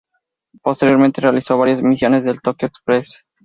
Posteriormente realizó varias misiones del "Tokyo Express".